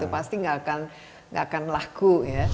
pasti tidak akan laku